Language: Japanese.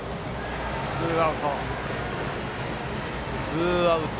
ツーアウト。